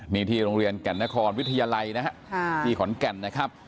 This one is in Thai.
นี่ที่โรงเรียนแก่นนครวิทยาลัยนะฮะที่ขอนแก่นนะครับ